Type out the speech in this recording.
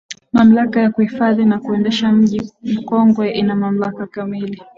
Mamlaka ya Kuhifadhi na Kuendeleza Mji Mkongwe ina mamlaka kamili